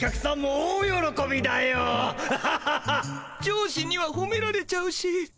上司にはほめられちゃうし。